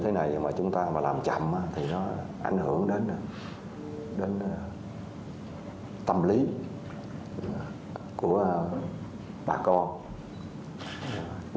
tại đây chúng bảo với nhau là sự cầm theo mạng ấu